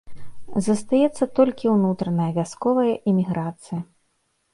Застаецца толькі ўнутраная, вясковая эміграцыя.